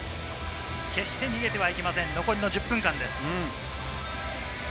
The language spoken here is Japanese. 決して逃げてはいけません、残りの１０分間。